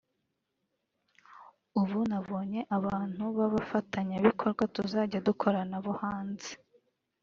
ubu nabonye abantu b’abafatanyabikorwa tuzajya dukorana bo hanze